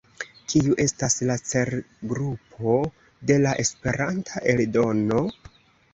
Kiu estas la celgrupo de la Esperanta eldono?